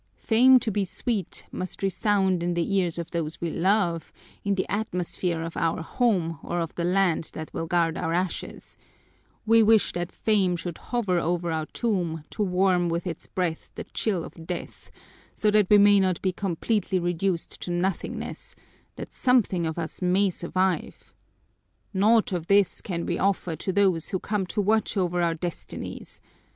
Fame to be sweet must resound in the ears of those we love, in the atmosphere of our home or of the land that will guard our ashes; we wish that fame should hover over our tomb to warm with its breath the chill of death, so that we may not be completely reduced to nothingness, that something of us may survive. Naught of this can we offer to those who come to watch over our destinies.